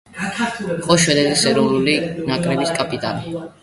იყო შვედეთის ეროვნული ნაკრების კაპიტანი.